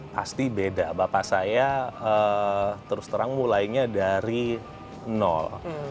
pasti beda bapak saya terus terang mulainya dari nol